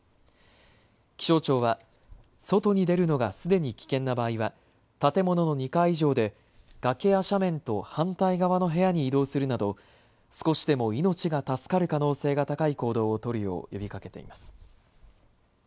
気象庁は外に出るのがすでに危険な場合は建物の２階以上で崖や斜面と反対側の部屋に移動するなど少しでも命が助かる可能性が高い行動を取るよう呼びかけています。